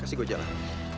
kasih gue jalan